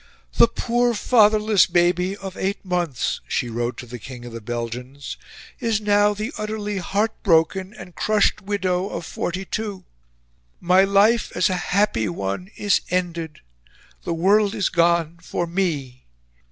"The poor fatherless baby of eight months," she wrote to the King of the Belgians, "is now the utterly heartbroken and crushed widow of forty two! My LIFE as a HAPPY one is ENDED! The world is gone for ME!...